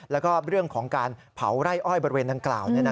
แล้วก็เรื่องของการเผาไร่อ้อยบริเวณดังกล่าว